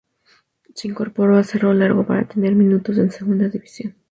Se incorporó a Cerro Largo, para tener minutos en Segunda División.